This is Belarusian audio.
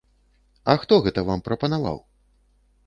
А хто гэта вам прапанаваў?